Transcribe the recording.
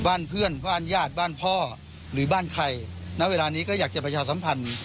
บ้านเพื่อนบ้านญาติบ้านพ่อหรือบ้านใครณเวลานี้ก็อยากจะประชาสัมพันธ์